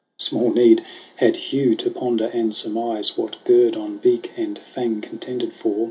Small need had Hugh to ponder and surmise What guerdon beak and fang contended for.